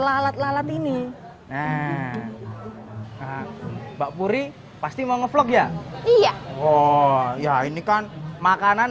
lalat lalat ini mbak puri pasti mau nge vlog ya iya oh ya ini kan makanan